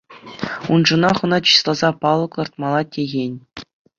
Уншӑнах ӑна чысласа палӑк лартмалла тейӗн.